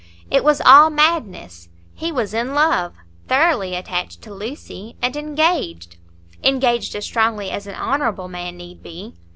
It was all madness; he was in love, thoroughly attached to Lucy, and engaged,—engaged as strongly as an honourable man need be.